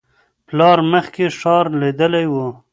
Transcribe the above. پلار مخکې ښار لیدلی و.